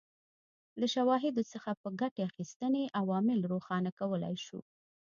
له شواهدو څخه په ګټې اخیستنې عوامل روښانه کولای شو.